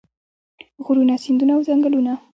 غرونه سیندونه او ځنګلونه.